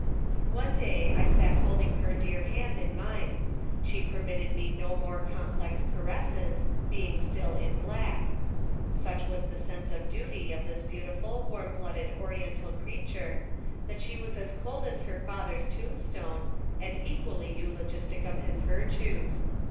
One day I sat holding her dear hand in mine. She permitted me no more complex caresses, being still in black. Such was the sense of duty of this beautiful, warm blooded Oriental creature, that she was as cold as her father's tombstone, and equally eulogistic of his virtues.